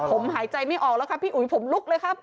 ผมหายใจไม่ออกแล้วครับพี่อุ๋ยผมลุกเลยครับ